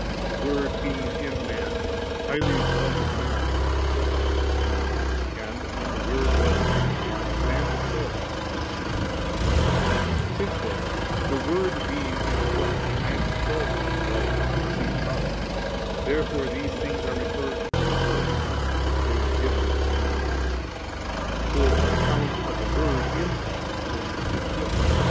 For the Word being in man, highly exalted man himself; and, when the Word was in man, man himself received Since then, the Word being in flesh, man himself was exalted, and received power, therefore these things are referred to the Word, since they were given on His account ; for on account of the Word in man were these gifts given.